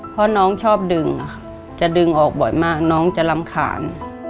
เพราะน้องชอบดึงจะดึงออกบ่อยมากน้องจะรำคาญ